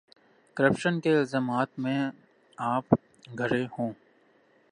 Corruption کے الزامات میں آپ گھرے ہوں۔